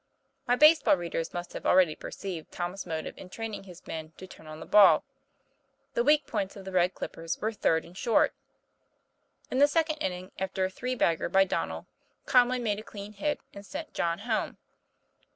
My base ball readers must have already perceived Tom's motive in training his men to turn on the ball. The weak points of the Red Clippers were third and short. In the second inning, after a three bagger by Donnel, Conway made a clean hit, and sent John home.